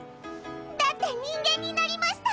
だって人間になりました！